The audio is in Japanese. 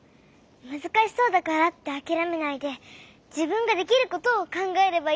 むずかしそうだからってあきらめないでじぶんができることをかんがえればいいのか。